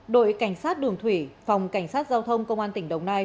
đội cảnh sát đường thủy phòng cảnh sát giao thông công an tỉnh đồng nai